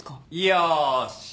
よし！